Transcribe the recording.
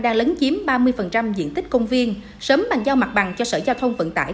đang lấn chiếm ba mươi diện tích công viên sớm bàn giao mặt bằng cho sở giao thông vận tải